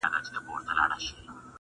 چي د ده عاید څو چنده دا علت دی,